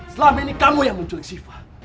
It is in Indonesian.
selama ini kamu yang menculik sifat